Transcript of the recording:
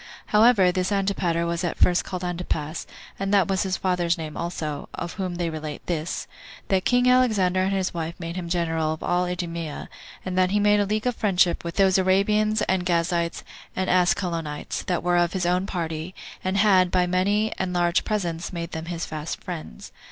However, this Antipater was at first called Antipas, 2 and that was his father's name also; of whom they relate this: That king Alexander and his wife made him general of all Idumea, and that he made a league of friendship with those Arabians, and Gazites, and Ascalonites, that were of his own party, and had, by many and large presents, made them his fast friends.